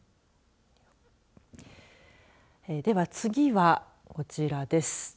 では、次はこちらです。